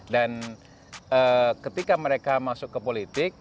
dan ketika mereka masuk ke politik